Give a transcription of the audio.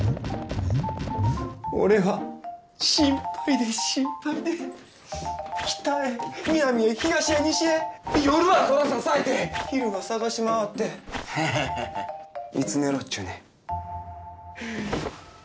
俺は心配で心配で北へ南へ東へ西へ夜は空支えて昼は捜し回ってハハハハいつ寝ろっちゅうねん。